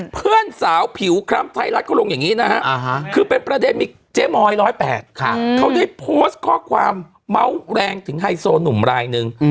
เพื่อนสาวผิวคล้ำไทยรัฐเขาลงอย่างนี้นะฮะคือเป็นประเด็นมีเจ๊มอย๑๐๘เขาได้โพสต์ข้อความเมาส์แรงถึงไฮโซหนุ่มรายนึง